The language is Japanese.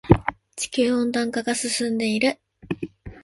地球温暖化が進んでいる。